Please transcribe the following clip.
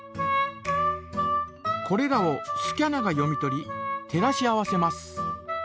これらをスキャナが読み取り照らし合わせます。